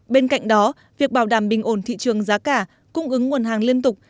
bên cạnh đó việc bảo đảm bình ổn thị trường giá cả cung ứng nguồn hàng liên tục